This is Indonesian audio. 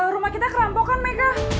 rumah kita kerampokan meka